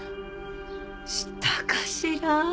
したかしら